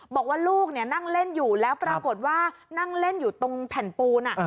บอกว่าลูกนั่งเล่นอยู่แล้วปรากฏว่านั่งเล่นอยู่ตรงแผ่นปูน